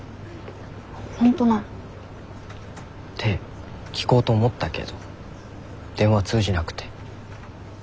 本当なの？って聞こうと思ったけど電話通じなくて。